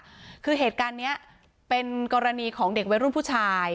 คือเหตุการณ์เนี้ยเป็นกรณีของเด็กวัยรุ่นผู้ชาย